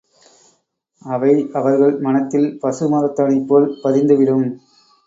அவை அவர்கள் மனத்தில் பசு மரத்தாணிபோல் பதிந்துவிடும்.